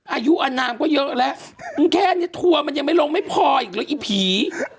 อายุอนามก็เยอะแล้วมึงแค่นี้ทัวร์มันยังไม่ลงไม่พออีกแล้วอีผี